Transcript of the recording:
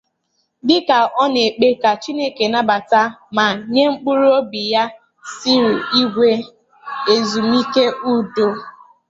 Dịka ọ na-ekpe ka Chineke nabata ma nye mkpụrụobi Cyril Igwe ezumike udo